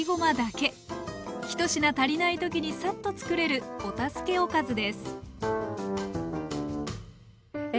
１品足りないときにさっと作れるお助けおかずですえ